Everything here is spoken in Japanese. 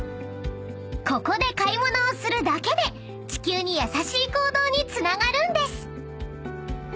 ［ここで買い物をするだけで地球に優しい行動につながるんです］